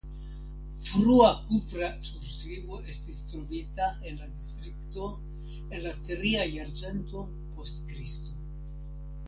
Frua kupra surskribo estis trovita en la distrikto el la tria jarcento post Kristo.